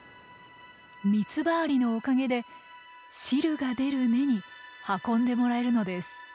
ミツバアリのおかげで汁が出る根に運んでもらえるのです。